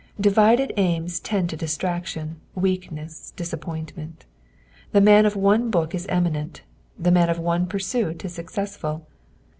Divided aima tend to dbtraction, weakness, disappoint ment. The man of one book ia eminent, the man of one pursuit is successful.